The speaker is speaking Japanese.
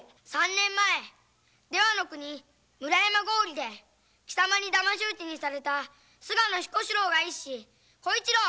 ３年前出羽国村山郡で貴様にダマシ討ちにされた菅野彦四郎が一子小一郎。